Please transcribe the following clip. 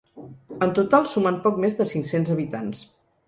En total sumen poc més de cinc-cents habitants.